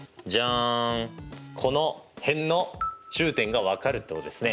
この辺の中点が分かるってことですね。